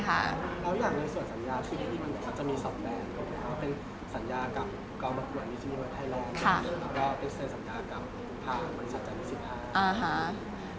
การมากกว่านี้ทางมันสะเจำนี่สุด